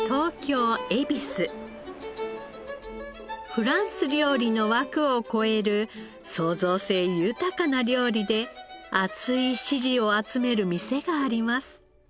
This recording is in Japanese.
フランス料理の枠を超える創造性豊かな料理で熱い支持を集める店があります。